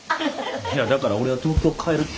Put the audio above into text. いやだから俺は東京帰るて。